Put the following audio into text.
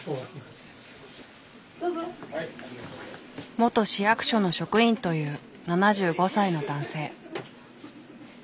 元市役所の職員という７５歳の男性。